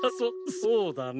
そうだね！